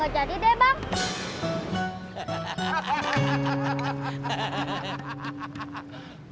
gak jadi deh bang